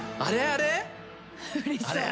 あれあれ？